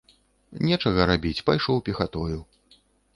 Нечага рабіць, пайшоў пехатою.